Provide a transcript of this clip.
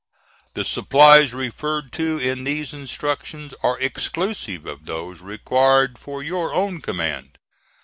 "The supplies referred to in these instructions are exclusive of those required for your own command.